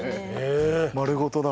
丸ごとだ。